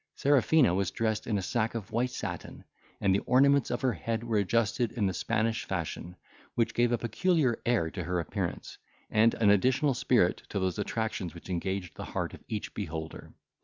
Serafina was dressed in a sack of white satin, and the ornaments of her head were adjusted in the Spanish fashion, which gave a peculiar air to her appearance, and an additional spirit to those attractions which engaged the heart of each beholder.